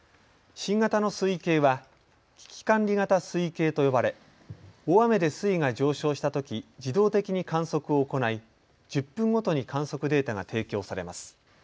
新型の水位計は危機管理型水位計と呼ばれ大雨で水位が上昇したとき自動的に観測を行い、１０分ごとに観測データが提供されます。